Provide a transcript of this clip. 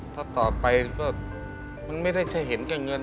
ถ้าต่อไปก็มันไม่ได้จะเห็นกับเงิน